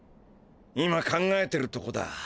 今考えてるとこだ。